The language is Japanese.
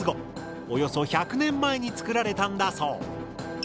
およそ１００年前に作られたんだそう。